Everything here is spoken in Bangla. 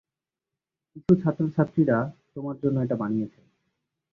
কিছু ছাত্র-ছাত্রীরা তোমার জন্য এটা বানিয়েছে।